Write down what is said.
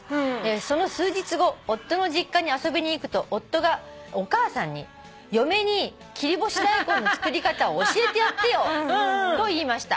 「その数日後夫の実家に遊びに行くと夫がお母さんに『嫁に切り干し大根の作り方を教えてやってよ』と言いました」